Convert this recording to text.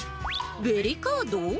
ベリカード？